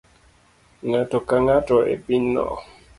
Ng'ato ka ng'ato e pinyno